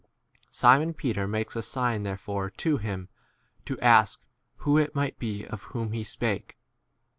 Simon Peter makes a sign therefore to him to ask who it might be of whom he 25 spake.